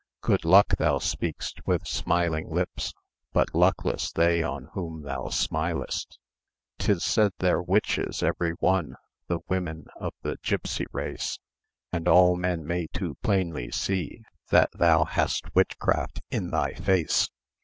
Good luck thou speak'st with smiling lips. But luckless they on whom thou smilest! Tis said they're witches every one, The women of the gipsy race; And all men may too plainly see That thou hast witchcraft in thy face.